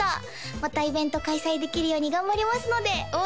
またイベント開催できるように頑張りますので応援